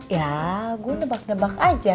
ya gue nebak nebak aja